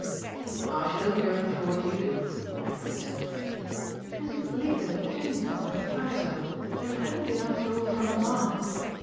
"Oh she doesn't go in for what you do," Edward assented. "She's as bleak as a chimney top when the fire's out, and if it hadn't been after all for mamma